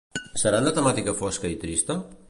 Seran de temàtica fosca i trista?